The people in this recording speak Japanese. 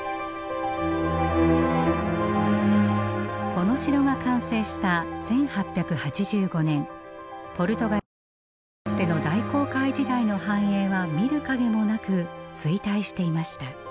この城が完成した１８８５年ポルトガルはかつての大航海時代の繁栄は見る影もなく衰退していました。